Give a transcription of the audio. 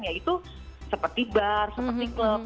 yaitu seperti bar seperti klub